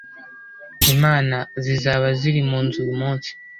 imana zizaba ziri munzu uyumunsi